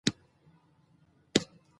راځئ چې باادبه واوسو.